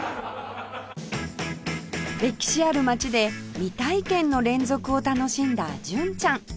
歴史ある街で未体験の連続を楽しんだ純ちゃん